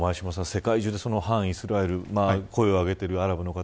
世界中で反イスラエル声を上げているアラブの方